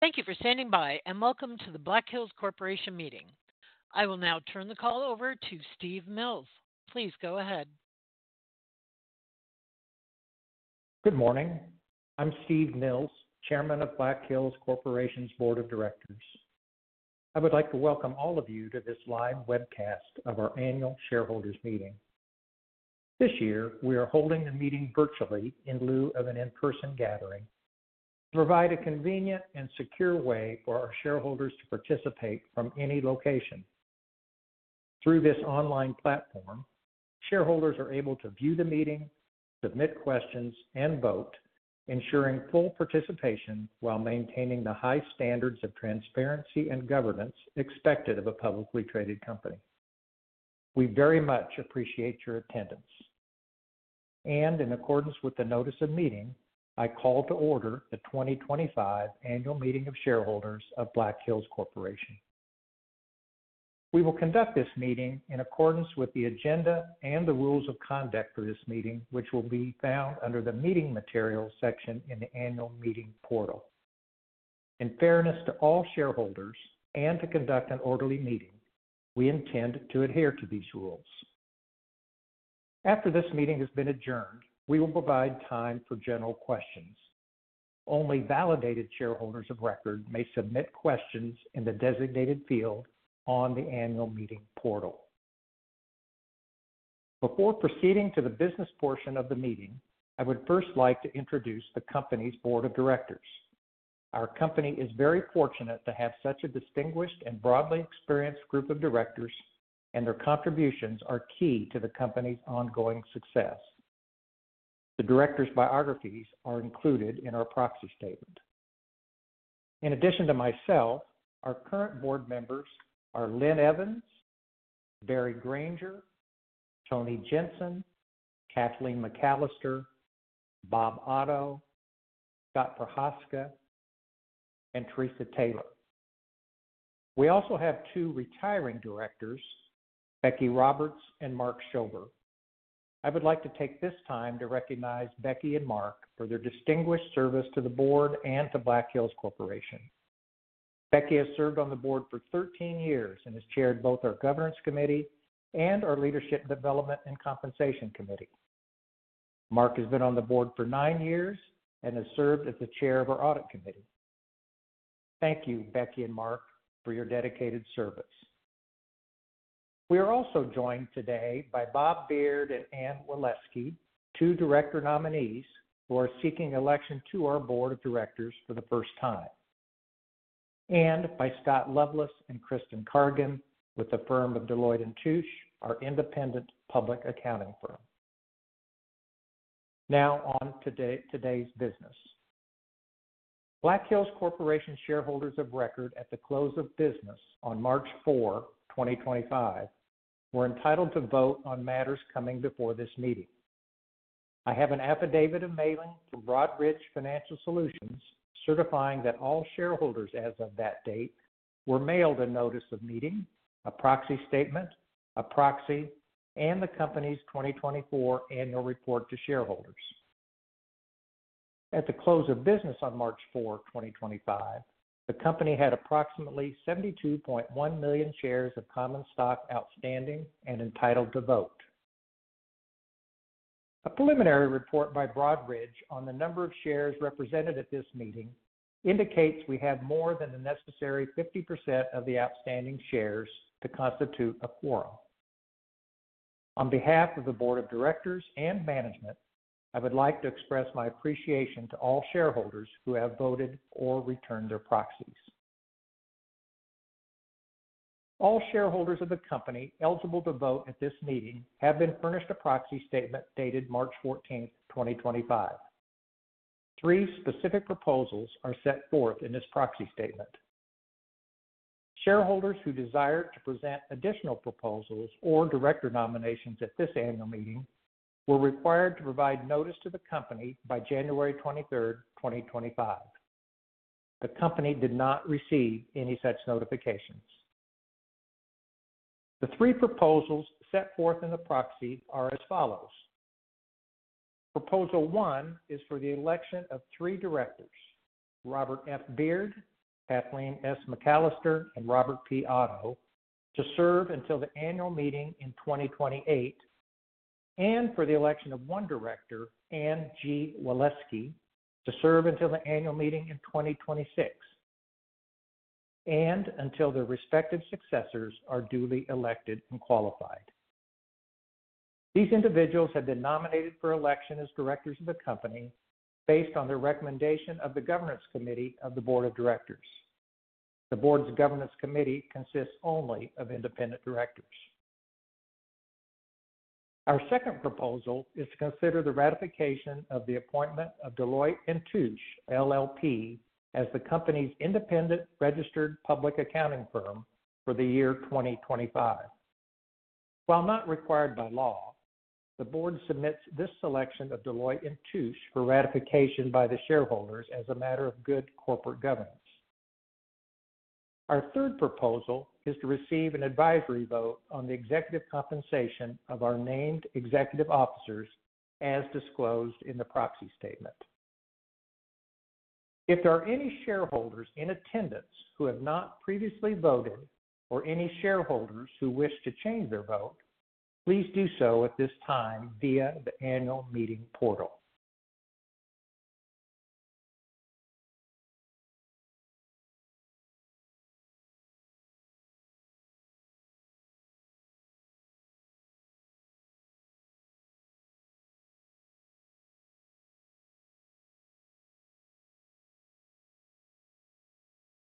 Thank you for standing by, and welcome to the Black Hills Corporation meeting. I will now turn the call over to Steve Mills. Please go ahead. Good morning. I'm Steve Mills, Chairman of Black Hills Corporation's Board of Directors. I would like to welcome all of you to this live webcast of our annual shareholders meeting. This year, we are holding the meeting virtually in lieu of an in-person gathering to provide a convenient and secure way for our shareholders to participate from any location. Through this online platform, shareholders are able to view the meeting, submit questions, and vote, ensuring full participation while maintaining the high standards of transparency and governance expected of a publicly traded company. We very much appreciate your attendance. In accordance with the notice of meeting, I call to order the 2025 Annual Meeting of Shareholders of Black Hills Corporation. We will conduct this meeting in accordance with the agenda and the rules of conduct for this meeting, which will be found under the meeting materials section in the annual meeting portal. In fairness to all shareholders and to conduct an orderly meeting, we intend to adhere to these rules. After this meeting has been adjourned, we will provide time for general questions. Only validated shareholders of record may submit questions in the designated field on the annual meeting portal. Before proceeding to the business portion of the meeting, I would first like to introduce the company's Board of Directors. Our company is very fortunate to have such a distinguished and broadly experienced group of directors, and their contributions are key to the company's ongoing success. The directors' biographies are included in our proxy statement. In addition to myself, our current board members are Linn Evans, Barry Granger, Tony Jensen, Kathleen McAllister, Bob Otto, Scott Prochazka, and Teresa Taylor. We also have two retiring directors, Becky Roberts and Mark Schober. I would like to take this time to recognize Becky and Mark for their distinguished service to the board and to Black Hills Corporation. Becky has served on the board for 13 years and has chaired both our governance committee and our leadership development and compensation committee. Mark has been on the board for nine years and has served as the chair of our audit committee. Thank you, Becky and Mark, for your dedicated service. We are also joined today by Bob Beard and Anne Waleski, two director nominees who are seeking election to our Board of Directors for the first time, and by Scott Loveless and Kristin Cargin with the firm of Deloitte & Touche, our independent public accounting firm. Now on to today's business. Black Hills Corporation shareholders of record at the close of business on March 4th, 2025, were entitled to vote on matters coming before this meeting. I have an affidavit of mailing from Broadridge Financial Solutions certifying that all shareholders as of that date were mailed a notice of meeting, a proxy statement, a proxy, and the company's 2024 annual report to shareholders. At the close of business on March 4th, 2025, the company had approximately 72.1 million shares of common stock outstanding and entitled to vote. A preliminary report by Broadridge on the number of shares represented at this meeting indicates we have more than the necessary 50% of the outstanding shares to constitute a quorum. On behalf of the Board of Directors and management, I would like to express my appreciation to all shareholders who have voted or returned their proxies. All shareholders of the company eligible to vote at this meeting have been furnished a proxy statement dated March 14th, 2025. Three specific proposals are set forth in this proxy statement. Shareholders who desired to present additional proposals or director nominations at this annual meeting were required to provide notice to the company by January 23rd, 2025. The company did not receive any such notifications. The three proposals set forth in the proxy are as follows. Proposal one is for the election of three directors: Robert F. Beard, Kathleen S. McAllister, and Robert P. Otto, to serve until the annual meeting in 2028, and for the election of one director, Anne G. Waleski, to serve until the annual meeting in 2026, and until their respective successors are duly elected and qualified. These individuals have been nominated for election as directors of the company based on the recommendation of the governance committee of the Board of Directors. The board's governance committee consists only of independent directors. Our second proposal is to consider the ratification of the appointment of Deloitte & Touche LLP as the company's independent registered public accounting firm for the year 2025. While not required by law, the board submits this selection of Deloitte & Touche for ratification by the shareholders as a matter of good corporate governance. Our third proposal is to receive an advisory vote on the executive compensation of our named executive officers as disclosed in the proxy statement. If there are any shareholders in attendance who have not previously voted or any shareholders who wish to change their vote, please do so at this time via the annual meeting portal.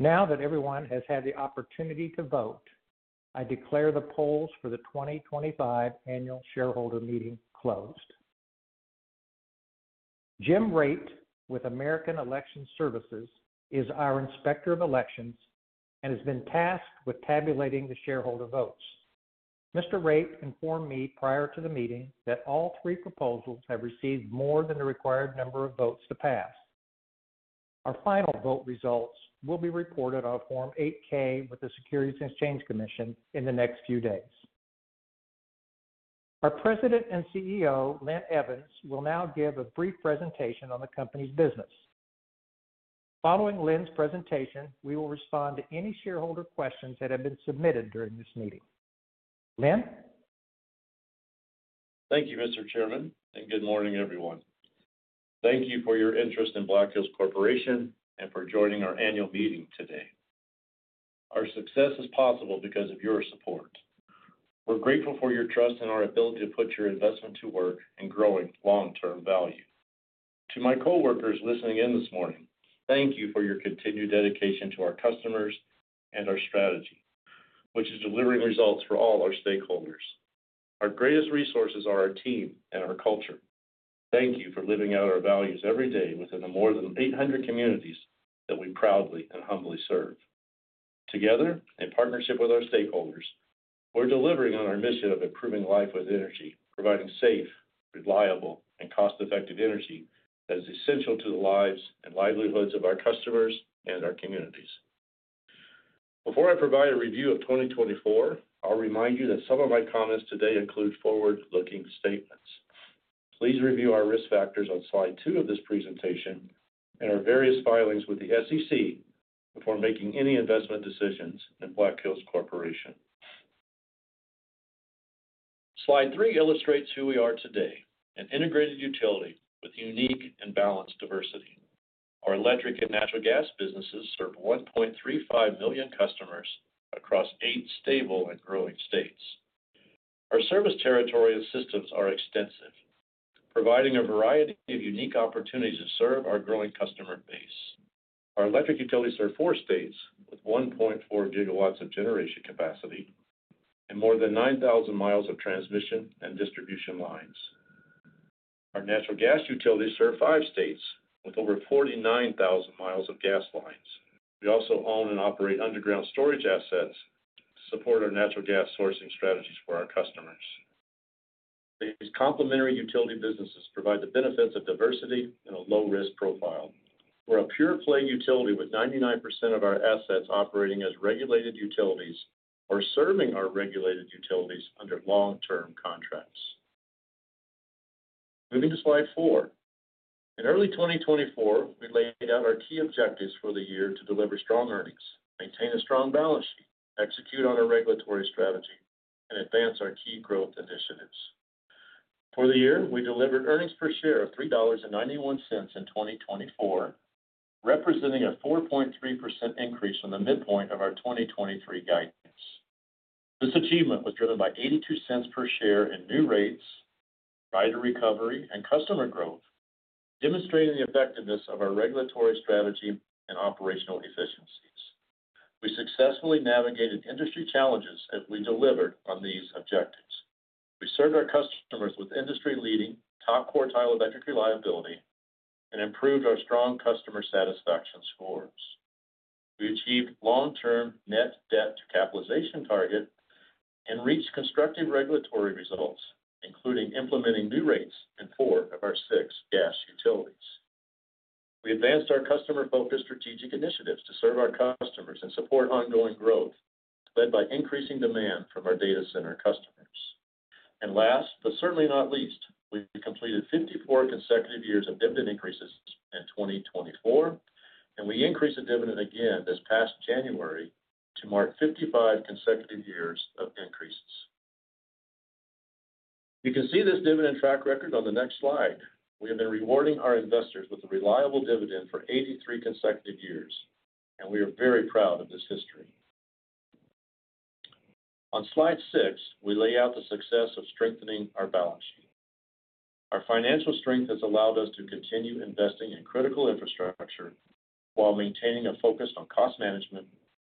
Now that everyone has had the opportunity to vote, I declare the polls for the 2025 annual shareholder meeting closed. Jim Raitt with American Election Services is our inspector of elections and has been tasked with tabulating the shareholder votes. Mr. Raitt informed me prior to the meeting that all three proposals have received more than the required number of votes to pass. Our final vote results will be reported on Form 8-K with the Securities and Exchange Commission in the next few days. Our President and CEO, Linn Evans, will now give a brief presentation on the company's business. Following Linn's presentation, we will respond to any shareholder questions that have been submitted during this meeting. Linn? Thank you, Mr. Chairman, and good morning, everyone. Thank you for your interest in Black Hills Corporation and for joining our annual meeting today. Our success is possible because of your support. We're grateful for your trust in our ability to put your investment to work and growing long-term value. To my coworkers listening in this morning, thank you for your continued dedication to our customers and our strategy, which is delivering results for all our stakeholders. Our greatest resources are our team and our culture. Thank you for living out our values every day within the more than 800 communities that we proudly and humbly serve. Together, in partnership with our stakeholders, we're delivering on our mission of improving life with energy, providing safe, reliable, and cost-effective energy that is essential to the lives and livelihoods of our customers and our communities. Before I provide a review of 2024, I'll remind you that some of my comments today include forward-looking statements. Please review our risk factors on slide two of this presentation and our various filings with the SEC before making any investment decisions in Black Hills Corporation. Slide three illustrates who we are today: an integrated utility with unique and balanced diversity. Our electric and natural gas businesses serve 1.35 million customers across eight stable and growing states. Our service territory and systems are extensive, providing a variety of unique opportunities to serve our growing customer base. Our electric utilities serve four states with 1.4 GW of generation capacity and more than 9,000 mi of transmission and distribution lines. Our natural gas utilities serve five states with over 49,000 mi of gas lines. We also own and operate underground storage assets to support our natural gas sourcing strategies for our customers. These complementary utility businesses provide the benefits of diversity and a low-risk profile. We're a pure-play utility with 99% of our assets operating as regulated utilities or serving our regulated utilities under long-term contracts. Moving to slide four. In early 2024, we laid out our key objectives for the year to deliver strong earnings, maintain a strong balance sheet, execute on our regulatory strategy, and advance our key growth initiatives. For the year, we delivered earnings per share of $3.91 in 2024, representing a 4.3% increase from the midpoint of our 2023 guidance. This achievement was driven by $0.82 per share in new rates, rider recovery, and customer growth, demonstrating the effectiveness of our regulatory strategy and operational efficiencies. We successfully navigated industry challenges as we delivered on these objectives. We served our customers with industry-leading top-quartile electric reliability and improved our strong customer satisfaction scores. We achieved long-term net debt-to-capitalization target and reached constructive regulatory results, including implementing new rates in four of our six gas utilities. We advanced our customer-focused strategic initiatives to serve our customers and support ongoing growth led by increasing demand from our data center customers. Last but certainly not least, we have completed 54 consecutive years of dividend increases in 2024, and we increased the dividend again this past January to mark 55 consecutive years of increases. You can see this dividend track record on the next slide. We have been rewarding our investors with a reliable dividend for 83 consecutive years, and we are very proud of this history. On slide six, we lay out the success of strengthening our balance sheet. Our financial strength has allowed us to continue investing in critical infrastructure while maintaining a focus on cost management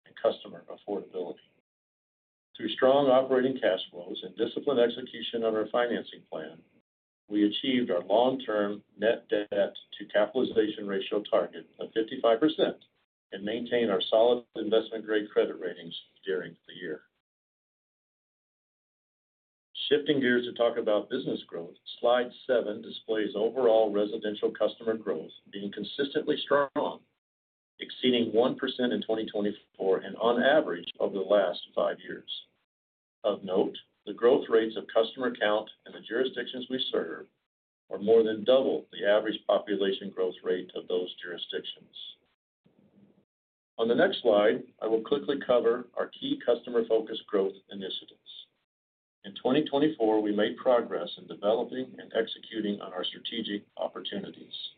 and customer affordability. Through strong operating cash flows and disciplined execution on our financing plan, we achieved our long-term net debt-to-capitalization ratio target of 55% and maintained our solid investment-grade credit ratings during the year. Shifting gears to talk about business growth, slide seven displays overall residential customer growth being consistently strong, exceeding 1% in 2024 and on average over the last five years. Of note, the growth rates of customer count in the jurisdictions we serve are more than double the average population growth rate of those jurisdictions. On the next slide, I will quickly cover our key customer-focused growth initiatives. In 2024, we made progress in developing and executing on our strategic opportunities.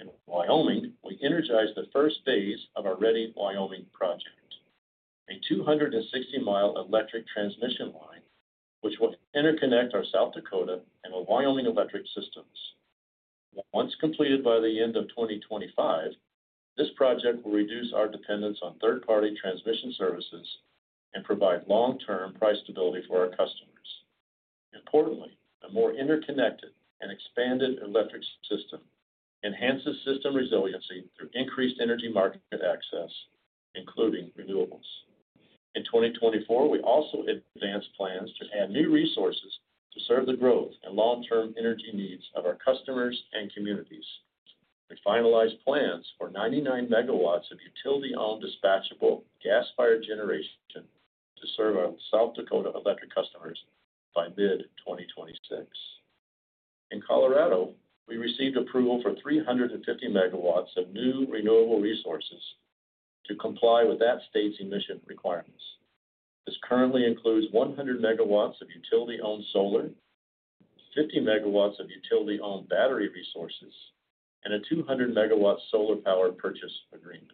In Wyoming, we energized the first phase of our Ready Wyoming project, a 260 mi electric transmission line which will interconnect our South Dakota and our Wyoming electric systems. Once completed by the end of 2025, this project will reduce our dependence on third-party transmission services and provide long-term price stability for our customers. Importantly, a more interconnected and expanded electric system enhances system resiliency through increased energy market access, including renewables. In 2024, we also advanced plans to add new resources to serve the growth and long-term energy needs of our customers and communities. We finalized plans for 99 MW of utility-owned dispatchable gas-fired generation to serve our South Dakota electric customers by mid-2026. In Colorado, we received approval for 350 MW of new renewable resources to comply with that state's emission requirements. This currently includes 100 MW of utility-owned solar, 50 MW of utility-owned battery resources, and a 200 MW solar power purchase agreement.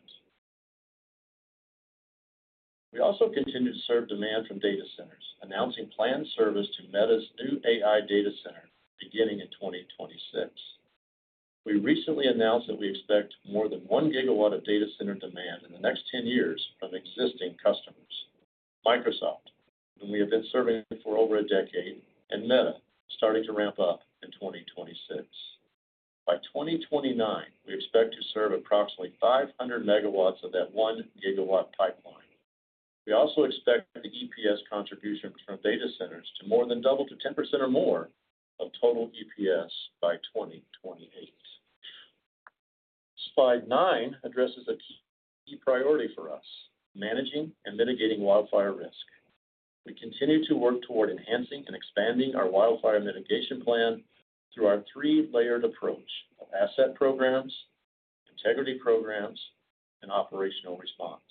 We also continue to serve demand from data centers, announcing planned service to Meta's new AI data center, beginning in 2026. We recently announced that we expect more than 1 GW of data center demand in the next 10 years from existing customers: Microsoft, whom we have been serving for over a decade, and Meta, starting to ramp up in 2026. By 2029, we expect to serve approximately 500 MW of that 1 GW pipeline. We also expect the EPS contribution from data centers to more than double to 10% or more of total EPS by 2028. Slide nine addresses a key priority for us: managing and mitigating wildfire risk. We continue to work toward enhancing and expanding our wildfire mitigation plan through our three-layered approach of asset programs, integrity programs, and operational response.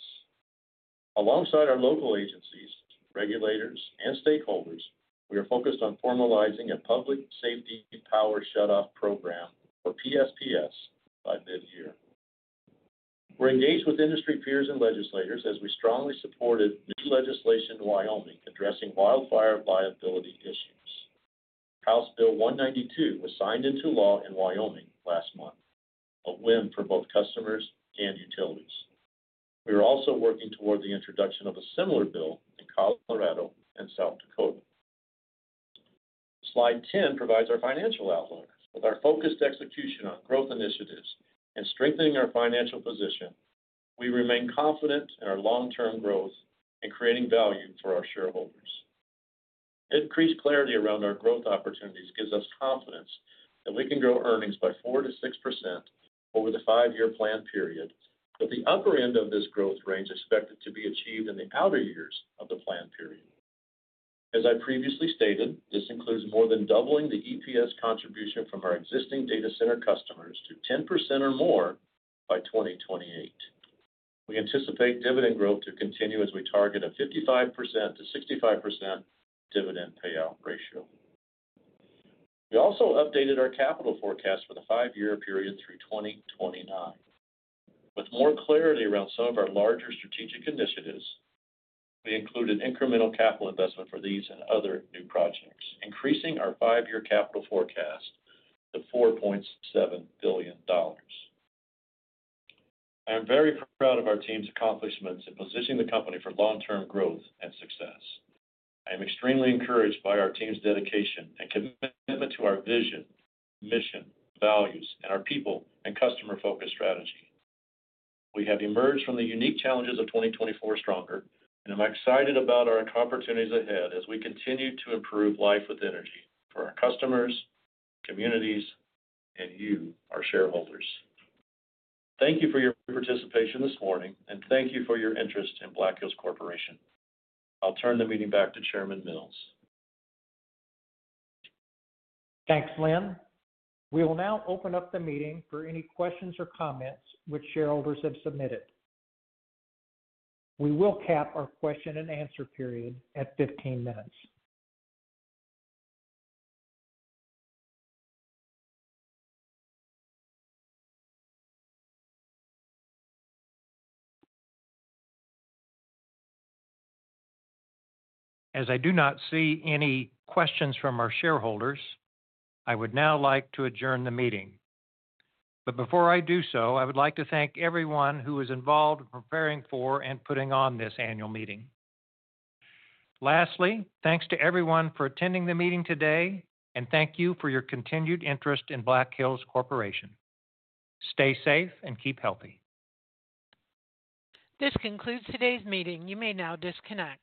Alongside our local agencies, regulators, and stakeholders, we are focused on formalizing a public safety power shutoff program, or PSPS, by mid-year. We're engaged with industry peers and legislators as we strongly supported new legislation in Wyoming addressing wildfire liability issues. House Bill 192 was signed into law in Wyoming last month, a win for both customers and utilities. We are also working toward the introduction of a similar bill in Colorado and South Dakota. Slide 10 provides our financial outlook. With our focused execution on growth initiatives and strengthening our financial position, we remain confident in our long-term growth and creating value for our shareholders. Increased clarity around our growth opportunities gives us confidence that we can grow earnings by 4%-6% over the five-year plan period, with the upper end of this growth range expected to be achieved in the outer-years of the plan period. As I previously stated, this includes more than doubling the EPS contribution from our existing data center customers to 10% or more by 2028. We anticipate dividend growth to continue as we target a 55%-65% dividend payout ratio. We also updated our capital forecast for the five-year period through 2029. With more clarity around some of our larger strategic initiatives, we included incremental capital investment for these and other new projects, increasing our five-year capital forecast to $4.7 billion. I am very proud of our team's accomplishments in positioning the company for long-term growth and success. I am extremely encouraged by our team's dedication and commitment to our vision, mission, values, and our people and customer-focused strategy. We have emerged from the unique challenges of 2024 stronger, and I'm excited about our opportunities ahead as we continue to improve life with energy for our customers, communities, and you, our shareholders. Thank you for your participation this morning, and thank you for your interest in Black Hills Corporation. I'll turn the meeting back to Chairman Mills. Thanks, Linn. We will now open up the meeting for any questions or comments which shareholders have submitted. We will cap our question-and-answer period at 15 minutes. As I do not see any questions from our shareholders, I would now like to adjourn the meeting. Before I do so, I would like to thank everyone who was involved in preparing for and putting on this annual meeting. Lastly, thanks to everyone for attending the meeting today, and thank you for your continued interest in Black Hills Corporation. Stay safe and keep healthy. This concludes today's meeting. You may now disconnect.